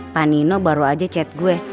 panino baru aja chat gue